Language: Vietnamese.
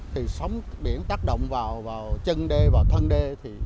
thì sống biển tác động vào chân đê vào thân đê